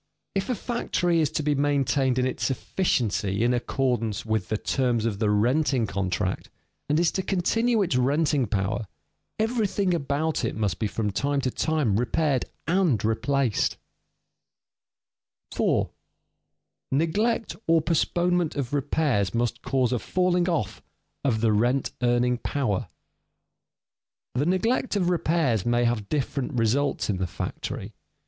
If a factory is to be maintained in its efficiency in accordance with the terms of the renting contract, and is to continue its renting power, everything about it must be from time to time repaired and replaced. [Sidenote: Neglect of repairs often has evil effects] 4. Neglect or postponement of repairs must cause a falling off of the rent earning power. The neglect of repairs may have different results in the factory.